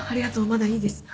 まだいいです。